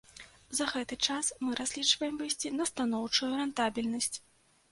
За гэты час мы разлічваем выйсці на станоўчую рэнтабельнасць.